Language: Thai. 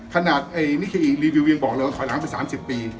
ขนาดนิเคอีกรีวิวบอกว่าเราถอยหลังไป๓๐ปี